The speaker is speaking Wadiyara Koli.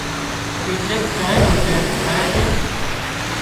ايٽليڪ چانه نو ٽيم ٿائي سي